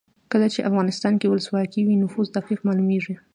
کله چې افغانستان کې ولسواکي وي نفوس دقیق مالومیږي.